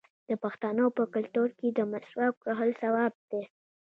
د پښتنو په کلتور کې د مسواک وهل ثواب دی.